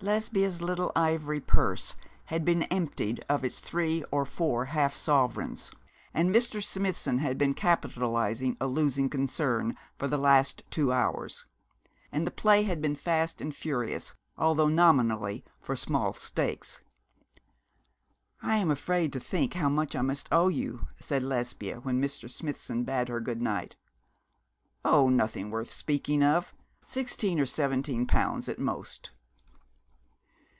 Lesbia's little ivory purse had been emptied of its three or four half sovereigns, and Mr. Smithson had been capitalising a losing concern for the last two hours. And the play had been fast and furious, although nominally for small stakes. 'I am afraid to think of how much I must owe you,' said Lesbia, when Mr. Smithson bade her good night. 'Oh, nothing worth speaking of sixteen or seventeen pounds, at most.'